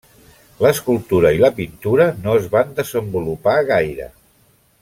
L'escultura i la pintura no es van desenvolupar gaire.